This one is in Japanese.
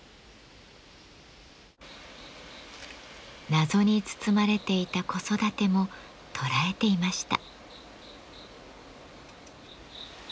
謎に包まれていた子育ても捉えていました。